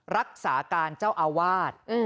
รักษาการเจ้าอาวาส